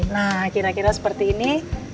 nah kira kira seperti ini